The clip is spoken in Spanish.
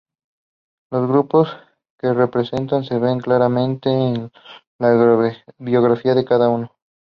Los grupos que representan se ven claramente en la biografía de cada uno.